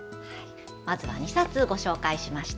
まずは２冊ご紹介しました。